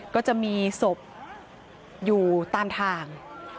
ก็จะมีศพอยู่ตามทาง